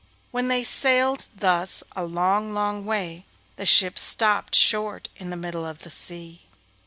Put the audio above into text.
When they had sailed thus a long, long way, the ship stopped short in the middle of the sea.